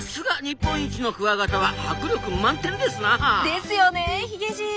ですよねえヒゲじい。